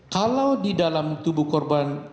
kalau di dalam tubuh korban